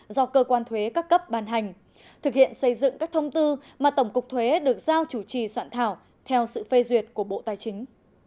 do cơ quan thuế các cấp ban hành thực hiện xây dựng các thông tư mà tổng cục thuế được giao chủ trì soạn thảo theo sự phê duyệt của bộ tài chính